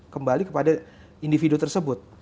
kembali kepada individu tersebut